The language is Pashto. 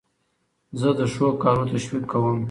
زه د ښو کارو تشویق کوم.